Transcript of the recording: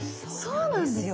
そうなんですね。